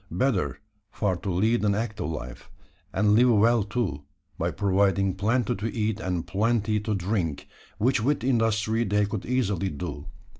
Better far to lead an active life; and live well too by providing plenty to eat and plenty to drink which with industry they could easily do.